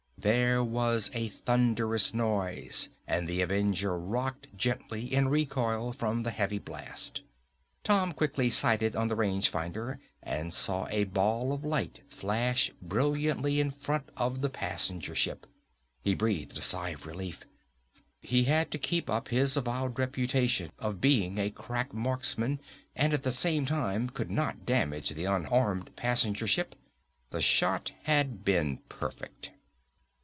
There was a thunderous noise and the Avenger rocked gently in recoil from the heavy blast. Tom quickly sighted on the range finder and saw a ball of light flash brilliantly in front of the passenger ship. He breathed a sigh of relief. He had to keep up his avowed reputation of being a crack marksman and at the same time could not damage the unarmed passenger ship. The shot had been perfect.